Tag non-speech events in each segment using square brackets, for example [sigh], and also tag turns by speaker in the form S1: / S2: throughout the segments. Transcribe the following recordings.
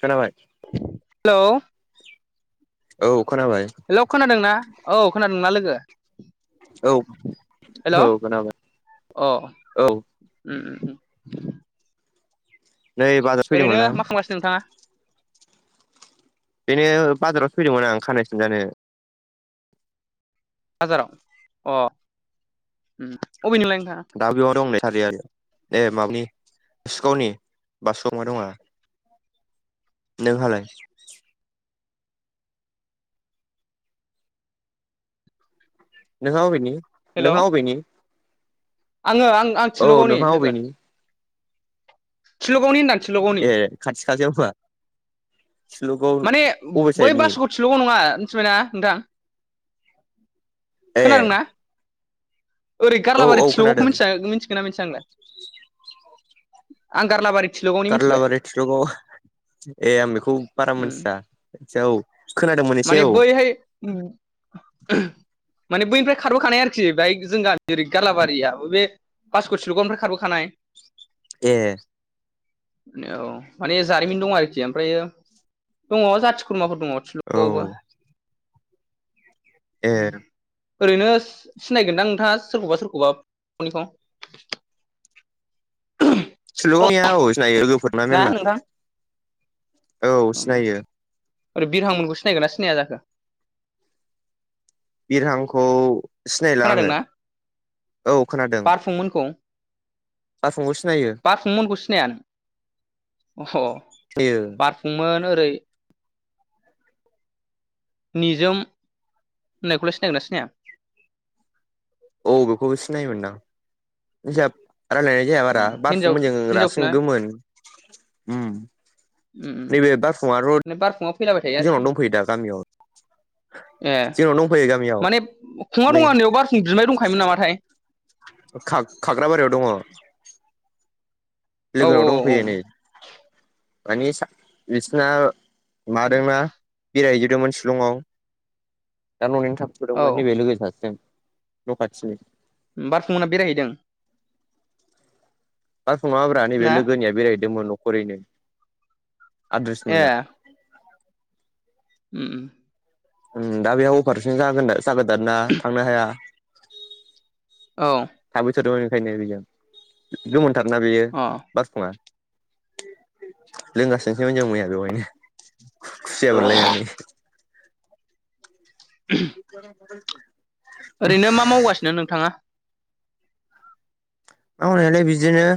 S1: खोनाबाय
S2: हेलौ
S1: औ खोनाबाय।
S2: हेलौ खोनादोंना औ खोनादोंना लोगो
S1: औ
S2: हेलौ
S1: औ खोनाबाय
S2: अह
S1: औ
S2: उम उम
S1: नै बा
S2: ओरैनो मा खालामालासिनो नोंथाङा?
S1: बेनो बाजाराव फैदोंमोन आं खानाय सिन जानो।
S2: बाजाराव अ' अबे निमोनलाय नोंथाङा?
S1: दा बेयाव दंनै बासिया दे माबानि सिखावनि बासौआव मा दङ नोंहालाय नोंहा अबेनि
S2: हेलौ
S1: नोंहा अबेनि
S2: आङो आं आं
S1: औ
S2: थिल'गावनि
S1: नोंहा
S2: लोगो
S1: अबेनि
S2: थिल'गावनि होनदां थिल'गावनि
S1: ए खाथि खालायाव होआ
S2: माने बै बासखौ थिला'गाव नङा मिथिबायना नोंथां
S1: ए
S2: खोनादोंना ओरै
S1: औ औ
S2: गारलाबारि थिल'गावखौ
S1: खोनादों
S2: मिया मिथिगोन ना मिथिया नोंलाय? आं गारलाबारि थिलगाव
S1: गारलाबारि थिलगाव ए आं बेखौ बारा
S2: उम
S1: मोनथिया मोनथिया औ खोनादोंमोन एसे
S2: माने
S1: औ
S2: बैहाय
S1: [inaudible]
S2: माने बैनिफ्राय खारबोखानाय आरोखि बेहाय जों गामि ओरै गालाबारियाबो बे बासुगाव थिल'गावनिफ्राय खारबोखानाय
S1: ए
S2: ने औ माने जारिमिन दं आरोखि ओमफ्रायो दङ जाथि खुरमाफोर दङ
S1: औ
S2: थिल'गाव आवबो
S1: ए
S2: ओरैनो सि-सिनायगोनदां नोंथाङा सोरखौबा सोरखौबा फनिखौ
S1: थिल'गावनिया औ सिनायो लोगोफोर
S2: ना नोंथां
S1: औ सिनायो
S2: ओरै बिरहां मोनखौ सिनायगोना सिनाया जाखो
S1: बिरहांखौ सिनायला आङो
S2: खोनादोंना
S1: औ खोनादों
S2: फं मोनखौ
S1: बारफुंखौ सिनायो
S2: बारफुंमोनखौ सिनाया नों अह
S1: सिनायो
S2: बारफुंमोन ओरै निजोम होननायखौलाय सिनायगोनना सिनाया?
S1: औ बेखौबो सिनायोमोनदां नैजाब रायलाय जाया बारा
S2: हिनजाव
S1: बारफुंमोनजों
S2: हिनजावसोना
S1: रासिन गोमोन हम नैबे बारफुंआ रड
S2: माने बारफुङा फैलाबाय थायो आरोखि
S1: जिङावनो दंफैयो दा गामियाव
S2: ए
S1: जोंनाव दंफैयो गामियाव
S2: माने खुङा
S1: मै
S2: दङानियाव बारफुं बिमाय दंखायोमोन नामाथाय
S1: ओ खा-खाग्राबारियाव दङ
S2: औ औ
S1: लोगोनाव
S2: औ
S1: दंफैयो नै मानि सा बिसना मादैमोना बेरायहैजोबदोंमोन शिलंआव दा न'निनो थाब
S2: औ
S1: नुदोंमोन नैबे लोगो सासेजों न' खाथिनि
S2: बारफुंमोनना बेरायहैदों
S1: बारफुङाब्रा नैबे
S2: ना
S1: लोगोनियाव बेरायहैदोंमोन न'खरैनो आद्रेस
S2: ए
S1: मोना
S2: उम उम
S1: हम दा बेहा अफारेसन जागोन दा जागोदान ना थांनो हाया
S2: औ
S1: [unintelligible] बिजों गो-गोमोनोनथार ना बेयो
S2: अ
S1: बारफुङा लोंगासिनोसोमोन जों मैया बेवहायनो खु-खुसिया
S2: ओरैनो
S1: बोनलायनानै
S2: [unintelligible]
S1: [unintelligible]
S2: ओरैनो मा मावगासिनो नोंथाङा?
S1: मावनायालाय बिदिनो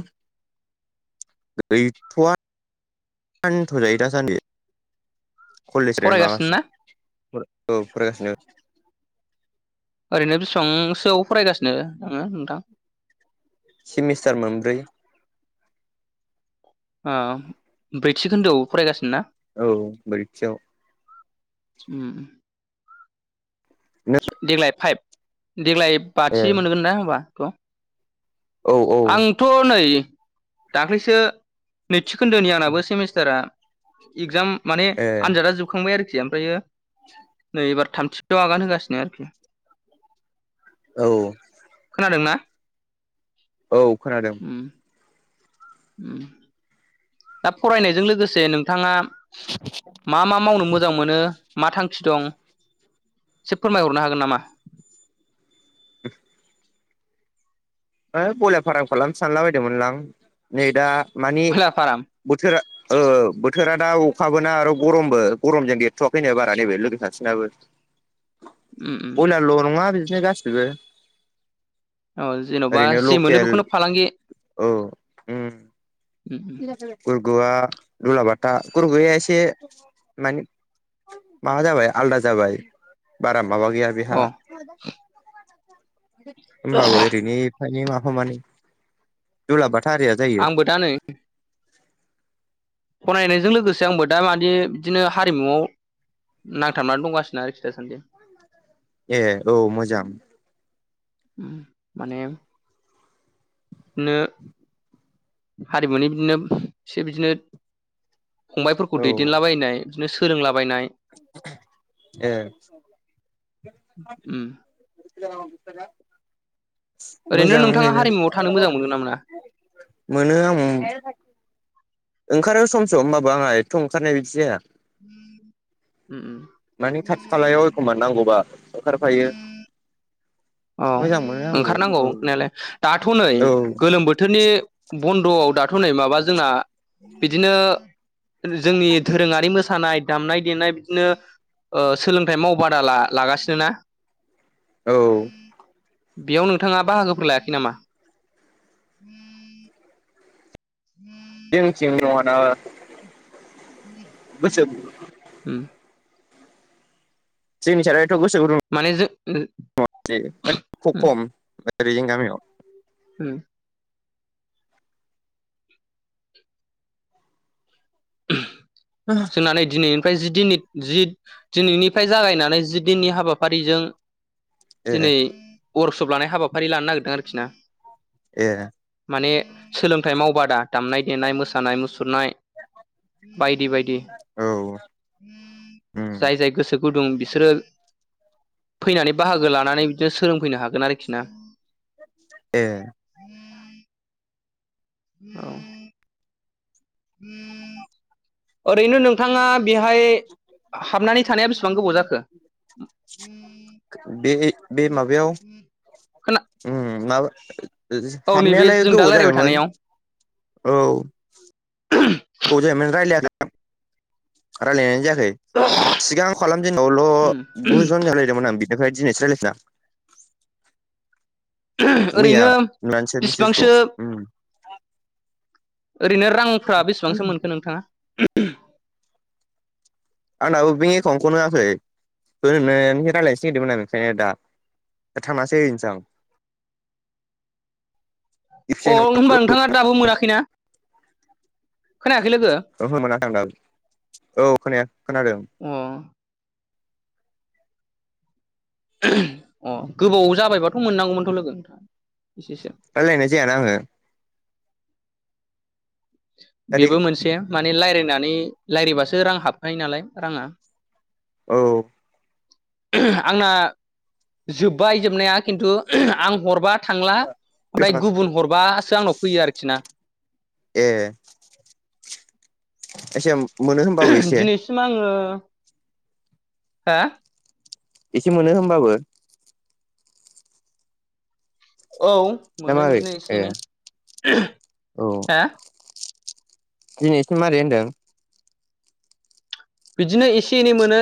S1: गैथ'आ होन्थ' जायो दासान्दि खलेजदे
S2: फरायगासिनो
S1: माबासिम
S2: ना
S1: फरायसा औ फरायगासिनो
S2: ओरैनो बेसेबांसोआव फरायगासिनो नोङो नोंथां?
S1: सेमिस्टार मोनब्रै
S2: ब्रैथि खोन्दोआव फरायगासिनो ना?
S1: औ ब्रैथियाव
S2: उम
S1: नों
S2: देग्लाय फाइभ देग्लाय
S1: ए
S2: बाथि मोनगोनदा होमबा थ'
S1: औ औ
S2: आंथ' नै दाख्लैसो नैथि खोन्दोनि आंनाबो सेमिस्टारा इगजाम माने
S1: ए
S2: आनजादा जोबखांबाय आरोखि ओमफायो
S1: [inaudible]
S2: एबार [unintelligible] आगान होगासिनो आरोखि
S1: औ।
S2: खोनादों ना?
S1: औ खोनादों।
S2: ओम। उम। दा फरायनायजों लोगोसे नोंथाङा मा मा मावनो मोजां मोनो मा थांखि दं एसे फोरमायहरनो हागोन नामा?
S1: [unintelligible] बयलार फाराम खालामनो सानला बायदोंमोनलां नै दा मानि
S2: खयलाफारा
S1: बोथोरा ओ बोथोरा दा अखाबोना आरो गरमबो गरमजों देरथ'वाखैनो बारा नैबे जोंनि खाथिनाबो।
S2: उम उम
S1: बयलार ल' नङा [unintelligible] गासिबो
S2: औ जेन'बा
S1: ओरैनो
S2: जि मोनो
S1: लकेल
S2: बेखौनो फालांगि
S1: औ
S2: उम
S1: गुरग'वआ जुलाबाथा गुरगया एसे माने माबा जाबाय आलदा जाबाय बारा माबा गैया बेहा।
S2: अ
S1: होमबाबो ओरैनो एायनो माबा मान दुलाबाथा आरिया जायो
S2: आंबो दा नै फनायनायजों लोगोसे आंबो दा माने बिदिनो हारिमुआव नांथाबनानै दंगासिनो आरो खि दासान्दि।
S1: ए औ मोजां।
S2: माने बिदिनो हारिमुनि बिदिनो एसे बिदिनो फंबाय फोरखौ
S1: औ
S2: दैदेनलाबायनाय। बिदिनो सोंलाबायनाय।
S1: ए।
S2: उम
S1: [unintelligible] [unintelligible]
S2: ओरैनो नोंथाङा हारिमुआव थानो मोजां मोनगोन ना मोना?
S1: [unintelligible] मोनो ओं। ओंखारो सम सम होमबाबो आंहा एथ' ओंखारनाय बिदि जाया।
S2: उम।
S1: मानिे खाथि खालायाव एखनमबा नांगौबा सरखारफायो।
S2: औ ओंखारनांगौ ओंखारनायालाय दाथ' नै
S1: औ
S2: गोलोम बोथोर बोथोरनि बन्द'आव दाथ' नै माबा जोंना बिदिनो जोंनि दोरोङारि मोसानाय दामनाय देनाय बिदिनो। ओ सोलोंथाइ मावबादा लागासिनो ना।
S1: औ।
S2: बेयाव नोंथाङा बाहागोफोर लायाखै नामा? [unintelligible]
S1: जोंथिं [unintelligible] बोसोर
S2: उम।
S1: जोंनि [unintelligible] गोसो गुदुं
S2: माने जों
S1: [unintelligible] खम ओरै जों गामियाव
S2: उम।
S1: [unintelligible]
S2: [unintelligible] दिनैनिफ्राय जि दिननि जि दिनैनिफ्राय जागायनानै जि दिननि हाबाफारिजों
S1: ए
S2: दिनै [unintelligible] लानाय हाबाफारि लानो नागिरदों आरोखि ना।
S1: ए।
S2: माने सोलोंथाइ मावबादा दामनाय देनाय मोसानाय मुसुरनाय बायदि बायदि
S1: औ उम
S2: जाय जाय गोसो गुदुं बिसोरो फैनानै बाहागो लानानै बिदिनो सोलोंफैनो हागोन आरोखि ना।
S1: ए।
S2: औ। [unintelligible] ओरैनो नोंथाङा बेहाय हाबनानै थानाया बेसिबां गोबाव जाखो? [inaudible]
S1: बे ए बे माबायाव।
S2: खोना
S1: उम माबा। जो
S2: औ नैबे
S1: हाबनायालाय
S2: जों दा
S1: गोबाव
S2: रायलायबाय
S1: जाबायमोन
S2: थानायाव
S1: औ। गोबाव जाबायमोन रायलायामोन। रालायनाय जायाखै सिगां खालाम जेनायवाल' गु
S2: ओरैनो
S1: जन जों रालायदोंमोन आं। बेनिफ्राय दिनैसो रालायफिदों आं। मैया नुनानैसो मेसेजखौ
S2: बेसिबांसो
S1: ओम।
S2: ओरैनो रांफ्रा बेसेबांसो मोनखो नोंथाङा?
S1: आंनाबो बेंक एकाउन्टखौनो होयाखै ओरैनो रायलायनोसो नागिरदोंमोन नोंथांजों दा। दा थांनासो हैनोसां।
S2: अ होनबा नोंथाङा दाबो मोनाखैना? खोनायाखै लोगो
S1: ओहो मोनाखै आं दाबो औ खोनाया खोनादों।
S2: अ। अ गोबाव जाबायबाथ' मोननांगौमोनथ' लोगो एसेसो।
S1: रायलायनाय जायाना आङो। दादि
S2: बेबो मोनसे माने लायरायनानै रालायबासो रां हाबखायो नालाय राङा।
S1: औ।
S2: आंना जोब्बाय जोबनाया खिन्थु आं हरबा। थांला ओमफ्राय गुबुन हरबासो आंनाव फैयो आरोखि ना।
S1: ए एसे मोनो होनबाबो एसे।
S2: होनबा आङो हो।
S1: एसे मोनो होमबाबो।
S2: औ
S1: ना
S2: मोनो
S1: मारै
S2: बिदिनो
S1: ए
S2: एसे-एनै हा।
S1: दिनै एसे मारै होनदों?
S2: बिदिनो एसे- एनै मोनो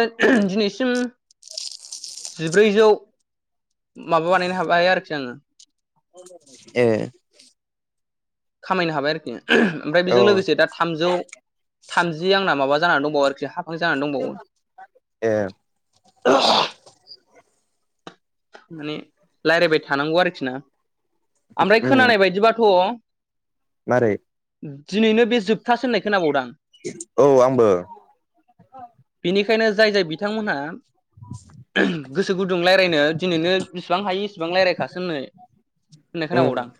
S2: दिनैसिम जिब्रैजौ। माबा बानायनो हाबाया आरोखि आङो।
S1: ए।
S2: खामायनो हाबाय आरोखि ओमफ्राय
S1: औ
S2: बेजों लोगोसे दा थामजौ। थामजि आंना माबा जानानै दंबावो आरोखि हाफां जानानै दंबावो।
S1: ए
S2: माने लायरायबाय थानांगौ आरोखि ना ओमफ्राय
S1: उम
S2: खोनानाय बायदिबाथ'।
S1: मारै?
S2: दिनैनो बे जोबथासो होननाय खोनाबावदों आं।
S1: औ आंबो।
S2: बेनिखायनो जाय-जाय बिथांमोनहा। गोसो गुदुं लायरायनो दिनैनो बिसिबां हायो इसिबां लायरायखासो होननाय-होननाय
S1: उम
S2: खोनाबावदांं।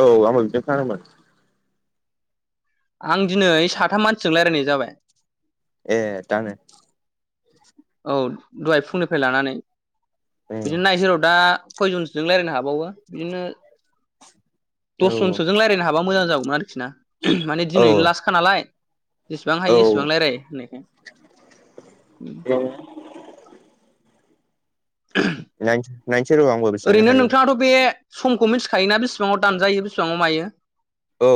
S1: औ आंबो बिदि खोनादोंमोन।
S2: आं दिनै साथाम मानसिजों लायरायनाय जाबाय।
S1: ए दानो?
S2: औ दहाय फुंनिफ्राय लानानै
S1: उम
S2: बिदिनो नायनोसै र' दा। खयजनसोजों लारायनो हाबावो बिदिनो।
S1: औ
S2: दसजनसोजों रायलायनो हाबा मोजां जागौमोन आरोखि ना माने
S1: औ
S2: दिनैनो लासखा नालाय। जेसेबां
S1: औ
S2: हायो एसेबां लायराय होननायखाय।
S1: औ।
S2: [unintelligible]
S1: नायनोस-नायसै र' आंबो। बेसेबां
S2: ओरैनो
S1: जाखायो
S2: नोंथाङाथ' बे समखौ मिथिखायोना बिसेबाङाव दानजायो बिसेबाङाव मायो?
S1: औ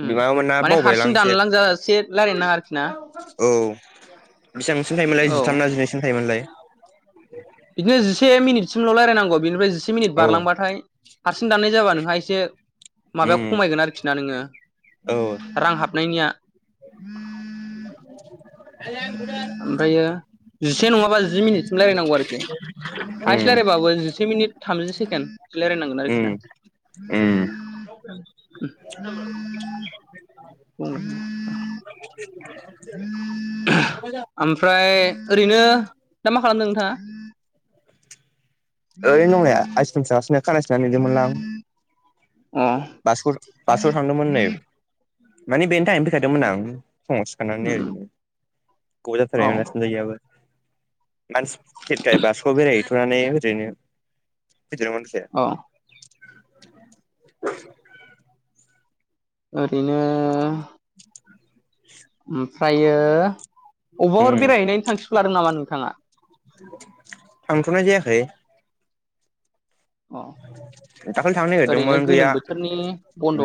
S2: उम
S1: माबामोन ना
S2: माने
S1: बावबायलां
S2: हारसिं
S1: एसे
S2: दानलांजासे लायरायनो नाङा आरोखि। ना
S1: औ बिसिबांसिम थायोमोनलाय
S2: औ
S1: जिथाम ना जिनैसिम थायोमोनलाय?
S2: बिदिनो जिसे मिनिट सिमल' रायलायनांगौ बेनिफ्राय जि जिसे मिनिट
S1: औ
S2: बारलांबाथाय हारसिं दाननाय जाबा नोंहा एसे माबायाव
S1: उम
S2: खमायगोन आरोखि ना नोङो
S1: औ
S2: रां हाबनायनिया ओमफायो जिसे नङाबा जि मिनिटसिम रायलायनांगौ आरोखि हाइस्ट
S1: उम
S2: रायलायबाबो जिसे मिनिट थामजि सेकेन्ड बिदि रायलायनांगोन आरोखि
S1: उम
S2: ना
S1: उम
S2: रावबो फैयाखै [inaudible] ओमफ्राय ओरैनो दा मा खालामदों नोंथाङा
S1: ओरै नंनाया आइसक्रिम [unintelligible] खानाय [unintelligible] मोनलां
S2: अ
S1: [unintelligible] थांदोंमोन नै माने बेनि थाखानो फैखादोंमोन आं फुङाव सिखारनानै
S2: उम
S1: ओरैनो
S2: औ
S1: गोबाव' [unintelligible] मानसि खेरखाय बास'आव बेरायहैथ'नानै ओरैनो फैदेर
S2: औ ओरैनो ओमफ्रायो अबेबाफोर
S1: उम
S2: बेरायहैनायनि थांखिफोर लादों नामा नोंथाङा
S1: थांथ'नाय जायाखै
S2: अ
S1: दाखालि थांनो
S2: ओरैनो
S1: नागिरदोंमोन गैया
S2: गोलोम बोथोरनि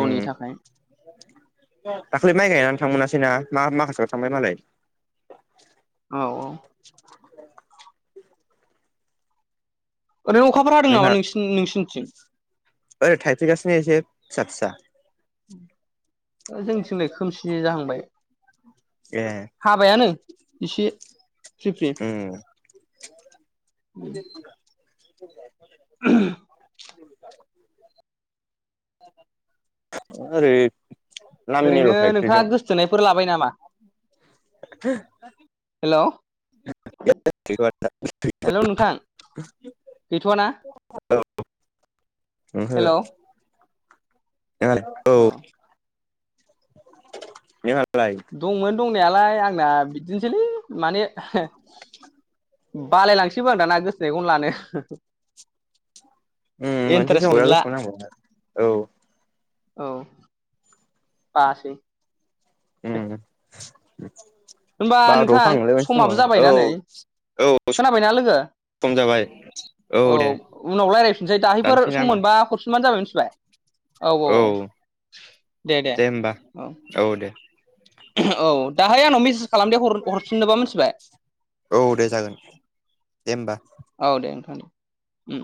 S1: उम
S2: थाखाय
S1: दाखालिबो माइ गायनानै थांनो मोनासैना मा माखासेयाव थांबाय मालाय
S2: औ औ ओरैनो अखाफोरा हादों नामा
S1: नोंहा
S2: नोंसि नोंसिनिथिं
S1: ओरै थाइफ्रिगासिनो एसे फिसा फिसा
S2: जोंनिथिंलाय खोमसि जाहांबाय
S1: ए
S2: हाबायानो एसे फ्रि फ्रि
S1: उम ओरै नामनिल'
S2: ओरैनो
S1: थायफ्रिदों
S2: नोंथाङा गोसथोनायफोर लाबाय नामा
S1: हो
S2: हेलौ
S1: [unintelligible]
S2: गैथ'आ ना
S1: ओंहो नोंहालाय
S2: अ
S1: नों हालाय
S2: दंमोन दंनायालाय आंना बिदिनोसैलै माने बालायलांसैबो आं दाना गोसथोनायखौनो लानो
S1: उम मोनसे
S2: इन्टारेस्ट
S1: समाव बिराद
S2: मोनला
S1: गोसोआव नांबावगोन औ
S2: औ बासै
S1: उम
S2: होनबा नोंथां
S1: बावदबफ्लाङोलै मोनसे
S2: समाबो
S1: समाव औ
S2: जाबायनानैै खोनाबायना लोगो
S1: खम जाबाय
S2: औ उनाव रायज्लायफिनसै दाहैफोर
S1: दानसै ना
S2: सम मोनबा हरफिनबानो जाबाय मिथिबाय औ औ औ दे दे औ
S1: औ दे
S2: औ दाहाय न' मिस खालामद हरफिननोबा मिथिबाय
S1: औ दे जागोन दे होमबा
S2: औ दे नोंथां दे